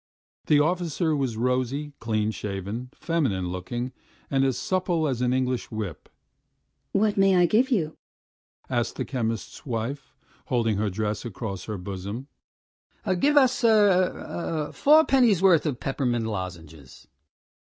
The officer was rosy, clean shaven, feminine looking, and as supple as an English whip. "What may I give you?" asked the chemist's wife, holding her dress across her bosom. "Give us ... er er ... four pennyworth of peppermint lozenges!"